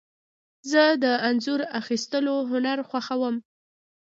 زه د انځور اخیستلو هنر خوښوم.